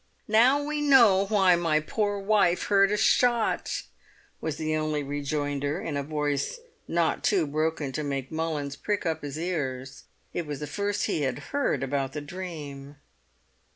"Now we know why my poor wife heard a shot!" was the only rejoinder, in a voice not too broken to make Mullins prick up his ears; it was the first he had heard about the dream.